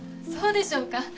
そうでしょうか？